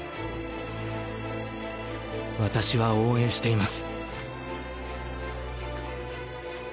私は応援しています。